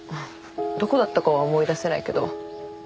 どこだったかは思い出せないけど。